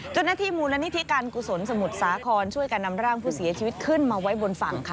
เจ้าหน้าที่มูลนิธิการกุศลสมุทรสาครช่วยกันนำร่างผู้เสียชีวิตขึ้นมาไว้บนฝั่งค่ะ